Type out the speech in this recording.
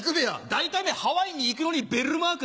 大体ねハワイに行くのにベルマーク